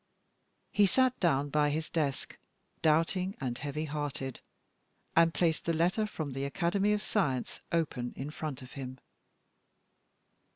He sat down by his desk, doubting and heavy hearted, and placed the letter from the Academy of Sciences open before him.